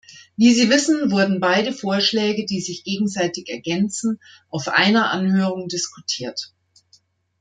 Wie Sie wissen, wurden beide Vorschläge, die sich gegenseitig ergänzen, auf einer Anhörung diskutiert.